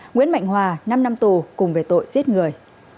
nguyễn mạnh hòa năm năm tù cùng về tội giết người